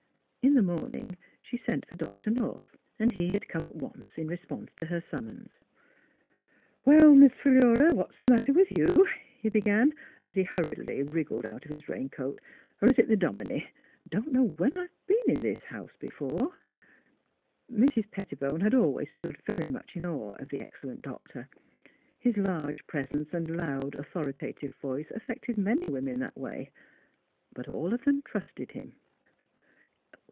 In the morning she sent for Doctor North, and he had come at once in response to her summons. " Well, Miss Philura, what's the matter with 314 THE HEART OF PHILURA you? " he began, as he hurriedly wriggled out of his raincoat. '' Or is it the dominie? Don't know when I've been in this house before." Mrs. Pettibone had always stood very much in awe of the excellent doctor. His large pres ence and loud authoritative voice affected many women that way. But all of them trusted him.